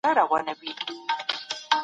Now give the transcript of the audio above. الله ته رجوع کول د زړه ارامي ده.